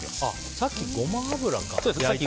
さっきゴマ油か。